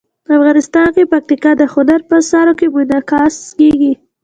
افغانستان کې پکتیکا د هنر په اثار کې منعکس کېږي.